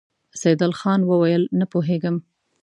سيدال خان وويل: نه پوهېږم!